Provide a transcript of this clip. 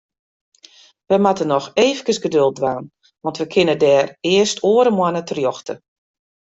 Wy moatte noch eefkes geduld dwaan, want we kinne dêr earst oare moanne terjochte.